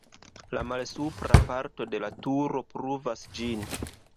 La malsupra parto de la turo pruvas ĝin.